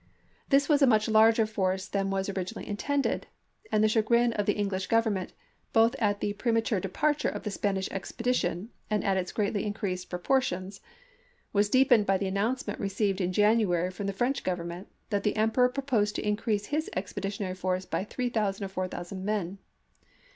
This was a much larger force than was originally intended, and the chagrin of the English Government, both at the prema ture departure of the Spanish expedition and at its greatly increased proportions, was deepened by the announcement received in January from the French Government that the Emperor proposed to increase his expeditionary force by 3000 or 4000 men.